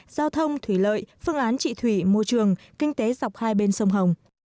giao thông thủy lợi phương án trị thủy môi trường kinh tế dọc hai bên sông hồng